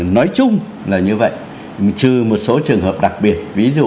nói chung là như vậy trừ một số trường hợp đặc biệt